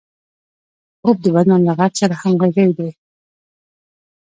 خوب د بدن له غږ سره همغږي ده